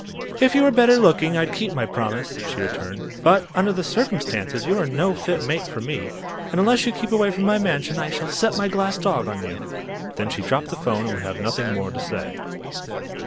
"If you were better looking I'd keep my promise," she returned. "But under the circumstances you are no fit mate for me, and unless you keep away from my mansion I shall set my glass dog on you!" Then she dropped the 'phone and would have nothing more to say.